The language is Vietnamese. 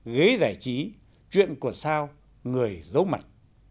ghế giải trí chuyện của sao người giấu mặt